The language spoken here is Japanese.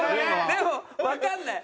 でもわかんない。